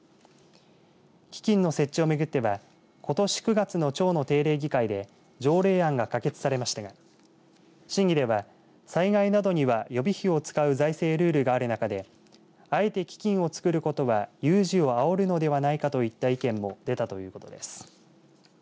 基金の設置を巡ってはことし９月の町の定例議会で条例案が可決されましたが審議では、災害などには予備費を使う財政ルールがある中であえて基金をつくることは有事をあおるのではないかといった意見も出たということです。